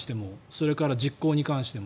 それから実行に関しても。